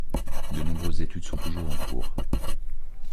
De nombreuses études sont toujours en cours.